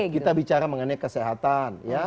kita bicara mengenai kesehatan